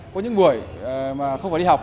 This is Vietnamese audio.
có những buổi mà không phải đi học